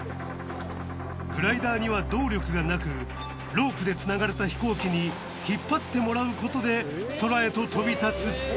グライダーには動力がなくロープで繋がれた飛行機に引っ張ってもらうことで空へと飛び立つえ。